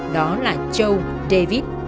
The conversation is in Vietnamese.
đó là châu david